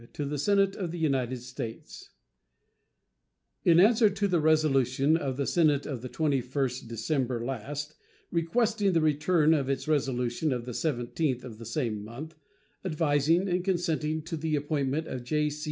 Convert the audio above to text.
To the Senate of the United States: In answer to the resolution of the Senate of the 21st December last, requesting the return of its resolution of the 17th of the same month, advising and consenting to the appointment of J.